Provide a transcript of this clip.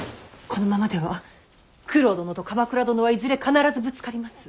このままでは九郎殿と鎌倉殿はいずれ必ずぶつかります。